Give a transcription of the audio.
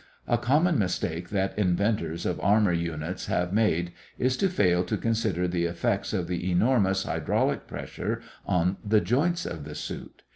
A common mistake that inventors of armor units have made is to fail to consider the effects of the enormous hydraulic pressure on the joints of the suit.